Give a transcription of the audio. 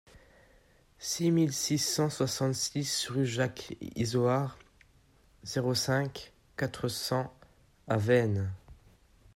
six mille six cent soixante-six rue Jacques Isoard, zéro cinq, quatre cents à Veynes